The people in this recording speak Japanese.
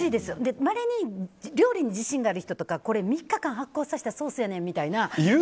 まれに料理に自信がある人とか３日間発酵させたソースとか出す人は。